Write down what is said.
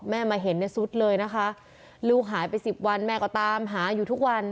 มาเห็นเนี่ยสุดเลยนะคะลูกหายไปสิบวันแม่ก็ตามหาอยู่ทุกวัน